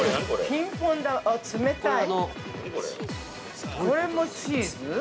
ピンポン玉、冷たい。